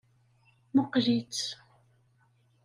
Muqqel-itt.